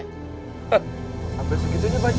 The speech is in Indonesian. sampai segitunya pak aji